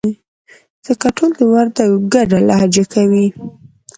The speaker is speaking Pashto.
ځکه ټول د وردگو گډه لهجه کوي.